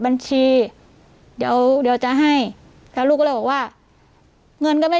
บัญชีเดี๋ยวเดี๋ยวจะให้แล้วลูกก็เลยบอกว่าเงินก็ไม่